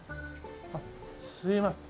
あっすみません。